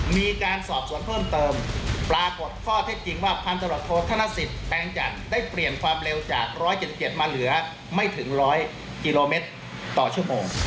มีการสอบสวนเพิ่มเติมปรากฏข้อเท็จจริงว่าพันตรวจโทษธนสิทธิแตงจันทร์ได้เปลี่ยนความเร็วจาก๑๗๗มาเหลือไม่ถึง๑๐๐กิโลเมตรต่อชั่วโมง